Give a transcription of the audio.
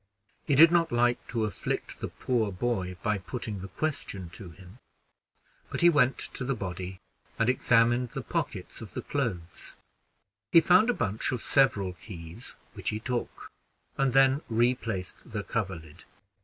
He did not like to afflict the poor boy by putting the question to him, but he went to the body and examined the pockets of the clothes; he found a bunch of several keys, which he took, and then replaced the coverlid.